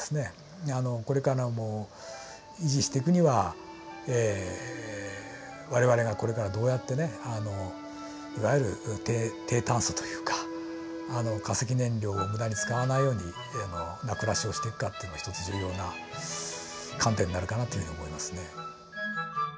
これからも維持していくには我々がこれからどうやってねいわゆる低炭素というか化石燃料を無駄に使わないような暮らしをしていくかというのが一つ重要な観点になるかなというふうに思いますね。